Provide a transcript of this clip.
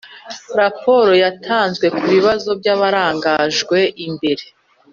raporo yatanzwe ku bibazo byagaragajwe mbere